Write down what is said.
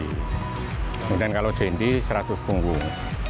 kemudian kalau jendi seratus punggung